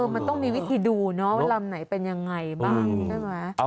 มันต้องมีวิธีดูเนาะว่าลำไหนเป็นยังไงบ้างใช่ไหม